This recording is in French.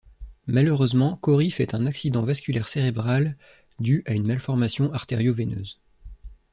Malheureusement, Cory fait un accident vasculaire cérébral du à une malformation artério-veineuse.